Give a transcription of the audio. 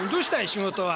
仕事は」。